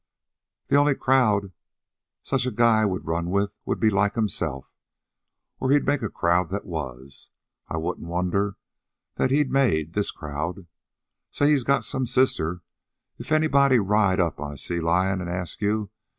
"The only crowd such a guy'd run with would be like himself, or he'd make a crowd that was. I wouldn't wonder that he'd make this crowd. Say, he's got some sister, if anybody'd ride up on a sea lion an' ask you.